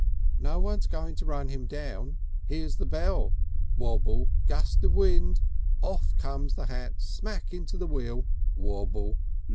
"No one's going to run him down. Hears the bell! Wabble. Gust of wind. Off comes the hat smack into the wheel. Wabble.